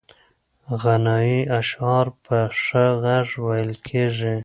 غنایي اشعار په ښه غږ ویل کېږي.